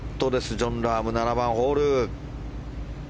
ジョン・ラーム、７番ホール。